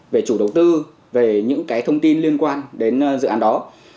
về chủ đầu tư về những cái thông tin liên quan đến dự án đó